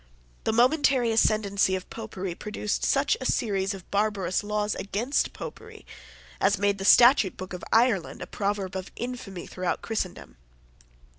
The momentary ascendency of Popery produced such a series of barbarous laws against Popery as made the statute book of Ireland a proverb of infamy throughout Christendom.